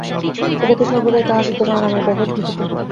এটাতে সর্বদাই তাহাদের যেন আরামের ব্যাঘাত করিত।